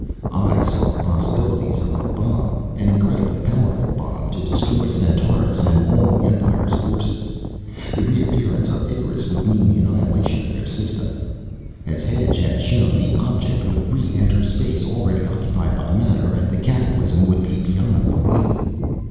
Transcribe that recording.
I saw the possibilities of a bomb, an incredibly powerful bomb to destroy Centaurus and all the Empire's forces. The reappearance of Icarus would mean the annihilation of their System. As Hedge had shown, the object would re enter space already occupied by matter, and the cataclysm would be beyond belief."